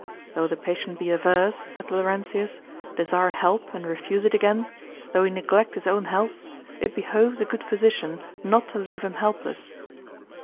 Though the patient be averse, saith Laurentius, desire help, and refuse it again, though he neglect his own health, it behoves a good physician not to leave him helpless.